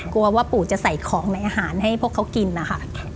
กลัวว่าปู่จะใส่ของในอาหารให้พวกเขากินนะคะ